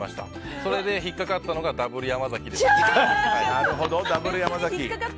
それで引っかかったのがダブル山崎です。